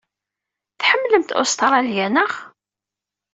Tḥemmlemt Ustṛalya, naɣ?